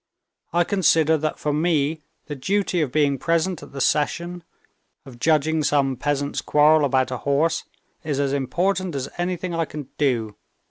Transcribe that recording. I consider that for me the duty of being present at the session, of judging some peasants' quarrel about a horse, is as important as anything I can do.